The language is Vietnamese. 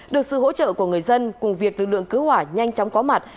được sự hỗ trợ của người dân cùng việc lực lượng cứu hỏa nhanh chóng có mặt